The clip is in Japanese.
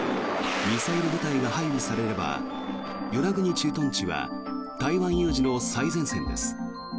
ミサイル部隊が配備されれば与那国駐屯地は台湾有事の最前線です。